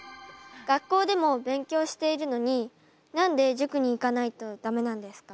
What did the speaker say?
学校でも勉強しているのに何で塾に行かないと駄目なんですか？